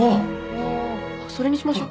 あそれにしましょ。